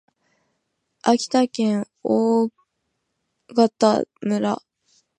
秋田県大潟村